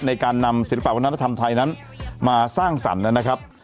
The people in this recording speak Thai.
ในการนำศิลปะวัฒนธรรมไทยนั้นมาสร้างสรรค์นะครับ